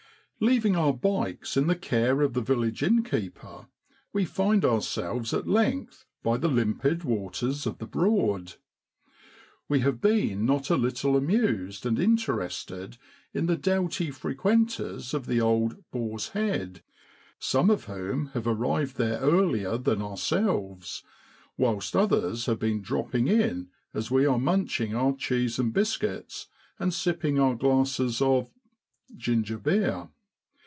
Leaving our ' bikes ' in the care of the village innkeeper, we find ourselves at length by the limpid waters of the Broad. We have been not a little amused and interested in the droughty frequenters of the old 'Boar's Head,' some of whom have arrived there earlier than ourselves, whilst others have been dropping in as we are munching our cheese and biscuits, and sipping our glasses of gingerbeer.